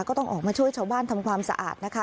ก็ต้องออกมาช่วยชาวบ้านทำความสะอาดนะคะ